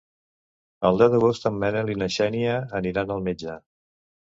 El deu d'agost en Manel i na Xènia aniran al metge.